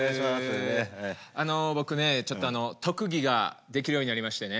あの僕ねちょっとあの特技ができるようになりましてね。